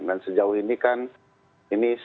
dan sejauh ini kan